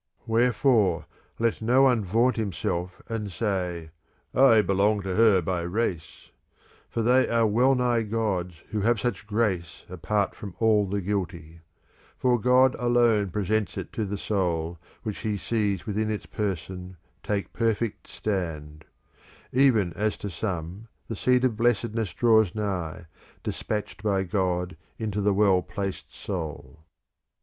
Wherefore let no one vaunt himself and say :' I belong to her by race '; for they are well nigh gods who have such grace, apart from all the guilty ; for God alone presents it to the soul which he sees within its person take perfect stand ; even as to some the seed of blessedness draws nigh, despatched by God into the well placed soul.